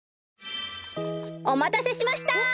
おまたせしました！